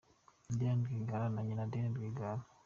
Na Diane Rwigara na Nyina Adeline Rwigara.